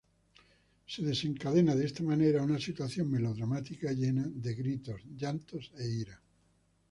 Se desencadena de esta manera una situación melodramática llena de gritos, llantos e ira.